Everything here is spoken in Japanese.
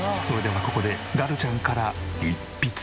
それではここでガルちゃんから一筆。